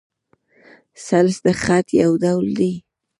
ثلث د خط؛ یو ډول دﺉ.